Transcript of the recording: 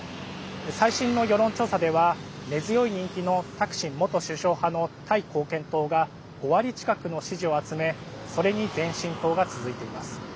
最新の世論調査では根強い人気のタクシン元首相派のタイ貢献党が５割近くの支持を集めそれに前進党が続いています。